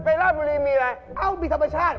เ้ะไปร้านบุรีมีอะไรครับเออมีธรรมชาติ